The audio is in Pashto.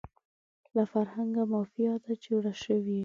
له فرهنګه مافیا ده جوړه شوې